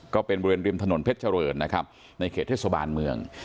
ก็เป็นบริเวณริมถนนเพชรเจริญนะครับในเขตเทศบาลเมือง